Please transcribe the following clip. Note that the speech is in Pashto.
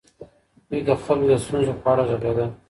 دوی د خلګو د ستونزو په اړه ږغيدل.